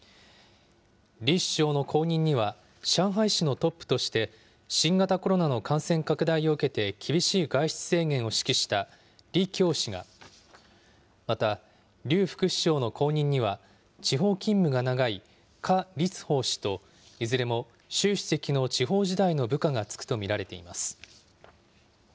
李首相の後任には、上海市のトップとして、新型コロナの感染拡大を受けて厳しい外出制限を指揮した李強氏が、また劉副首相の後任には地方勤務が長い何立峰氏と、いずれも習主席の地方時代の部下が就くと見られています。